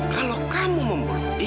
kalau kamu membunuh ibu ibu